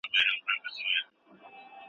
مرغۍ وویل چې د سړي ړندېدل زما درد نه کموي.